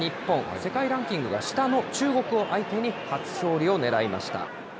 世界ランキングが下の中国を相手に初勝利をねらいました。